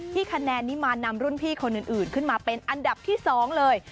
คะแนนนี้มานำรุ่นพี่คนอื่นขึ้นมาเป็นอันดับที่๒เลย